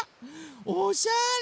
おしゃれ。